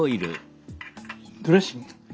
ドレッシング。